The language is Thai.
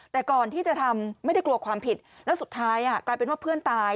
แต่ก่อนที่จะทำไม่ได้กลัวความผิดแล้วสุดท้ายกลายเป็นว่าเพื่อนตาย